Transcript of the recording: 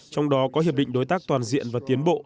trong đó có hiệp định đối tác toàn diện và tiến bộ